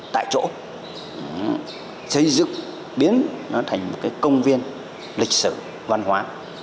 tại chỗ xây dựng biến nó thành một cái công viên lịch sử văn hóa